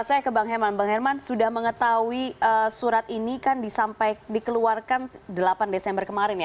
saya ke bang herman bang herman sudah mengetahui surat ini kan sampai dikeluarkan delapan desember kemarin ya